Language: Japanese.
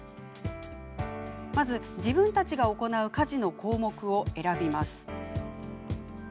まず自分たちが行う家事の項目を選びます。